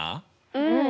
うん。